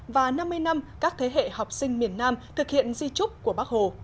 và năm mươi năm các thế hệ học sinh miền nam thực hiện di trúc của bác hồ